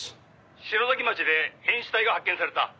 「篠崎町で変死体が発見された」